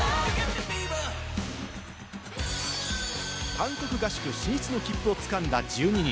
韓国合宿進出の切符を掴んだ１２人。